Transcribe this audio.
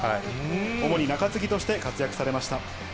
主に中継ぎとして活躍されました。